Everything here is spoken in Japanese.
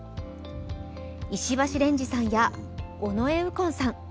石橋蓮司さんや尾上右近さん。